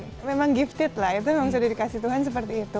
itu memang gifted lah itu memang sudah dikasih tuhan seperti itu